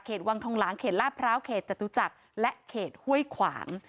วังทองหลางเขตลาดพร้าวเขตจตุจักรและเขตห้วยขวาง